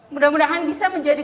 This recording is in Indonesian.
mudah mudahan bisa menjadi